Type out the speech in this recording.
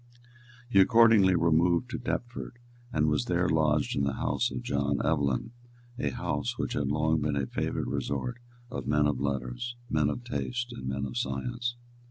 He accordingly removed to Deptford, and was there lodged in the house of John Evelyn, a house which had long been a favourite resort of men of letters, men of taste and men of science.